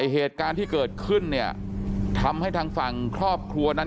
เหตุการณ์ที่เกิดขึ้นเนี่ยทำให้ทางฝั่งครอบครัวนั้น